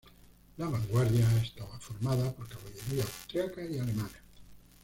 La vanguardia estaba formada por caballería austriaca y alemana.